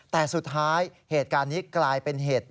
แต่สุดท้ายเหตุการณ์นี้กลายเป็นเหตุ